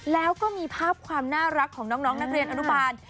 แล้วก็มีภาพความน่ารักของน้องนักเรียนอนุบาล